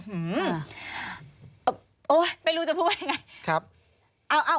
อุ้ยไม่รู้จะพูดว่าอย่างไร